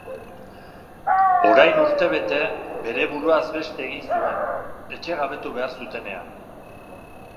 Orain urtebete bere buruaz beste egin zuen, etxegabetu behar zutenean.